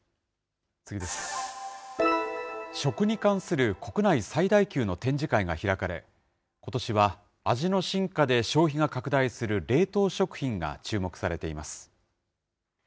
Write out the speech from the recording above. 食に関する国内最大級の展示会が開かれ、ことしは味の進化で消費が拡大する冷凍食品が注目されています。